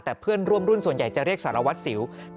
แต่เพื่อนร่วมรุ่นส่วนใหญ่จะเรียกสารวัตรสิว